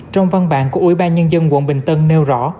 trong văn bản của ủy ban nhân dân quận bình tân nêu rõ